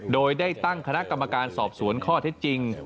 โดยได้ตั้งคณะกรรมการสอบสวนข้อเท็จจริง